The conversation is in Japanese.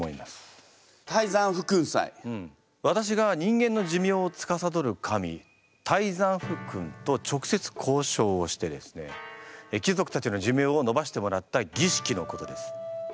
私が人間の寿命をつかさどる神泰山府君と直接交渉をしてですね貴族たちの寿命をのばしてもらった儀式のことです。